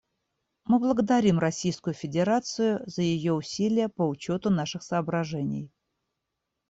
Мы благодарим Российскую Федерацию за ее усилия по учету наших соображений.